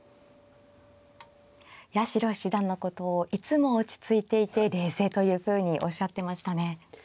八代七段のことをいつも落ち着いていて冷静というふうにおっしゃってましたね。